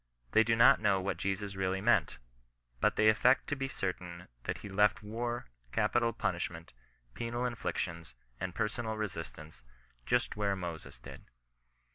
They do not know what Jesus really meant, but they affect to be certain that he left war, capital punishmeiU, penal inflictions, and per sonal resistance, just where Moses did.